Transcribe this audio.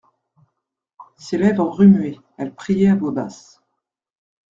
Ses lèvres remuaient ; elle priait à voix basse.